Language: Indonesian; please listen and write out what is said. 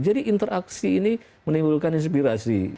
jadi interaksi ini menimbulkan inspirasi